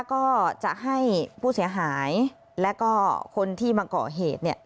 ก็จะให้ผู้เสียหายแล้วก็คนที่มาก่อเหตุเนี่ย